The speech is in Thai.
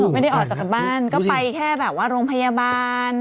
ไม่ได้ออกจากบ้านก็ไปแค่แบบว่าโรงพยาบาล